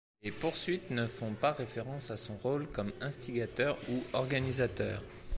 Les poursuites ne font pas référence à son rôle comme instigateur ou organisateur.